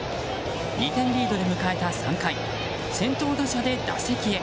２点リードで迎えた３回先頭打者で打席へ。